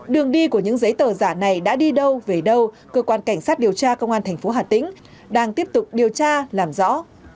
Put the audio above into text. đường đi của những giấy tờ giả này đã đi đâu về đâu cơ quan cảnh sát điều tra công an thành phố hà tĩnh đang tiếp tục điều tra làm rõ